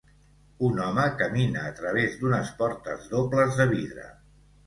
Un home camina a través d'unes portes dobles de vidre.